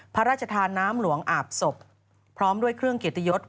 พระราชทานน้ำหลวงอาบศพพร้อมด้วยเครื่องเกียรติยศ